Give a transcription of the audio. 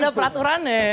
ada peraturan ya